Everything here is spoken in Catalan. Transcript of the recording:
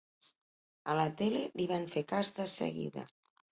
A la tele li van fer cas de seguida.